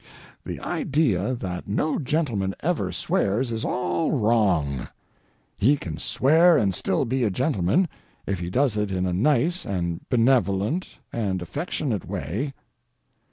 The idea that no gentleman ever swears is all wrong; he can swear and still be a gentleman if he does it in a nice and, benevolent and affectionate way.